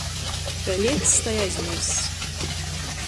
Kai liecs, tai aizmierss.